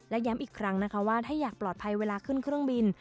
และย้ำอีกครั้งนะคะว่าถ้าอยากปลอดภัยเวลาขึ้นเครื่องบิน